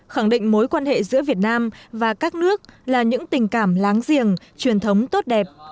khẳng định mối quan hệ giữa việt nam và các nước là những tình cảm láng giềng truyền thống tốt đẹp